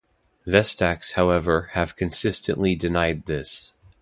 Vestax however have consistently denied this.